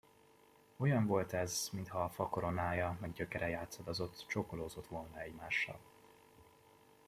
Olyan volt ez, mintha a fa koronája meg gyökere játszadozott, csókolózott volna egymással.